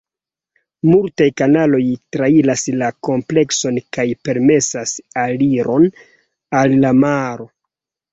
Multaj kanaloj trairas la komplekson kaj permesas aliron al la maro.